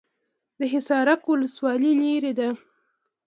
د حصارک ولسوالۍ لیرې ده